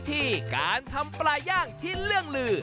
กรรมวิธีการทำปลาย่างที่เลือกลือ